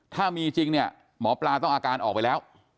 ถ้ามีจริงเนี่ยหมอปลาต้องอาการออกไปแล้ว